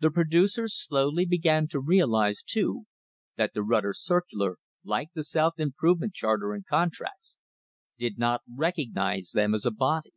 The producers slowly began to realise, too, that the Rutter circular, like the South Improvement charter and contracts, did not recognise them as a body.